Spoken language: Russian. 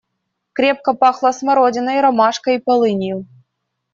Крепко пахло смородиной, ромашкой и полынью.